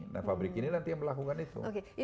nah pabrik ini nanti yang melakukan itu